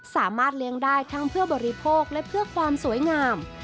สามารถเลี้ยงได้ทั้งเพื่อบริโภคและเพื่อความสวยงาม